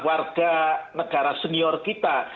warga negara senior kita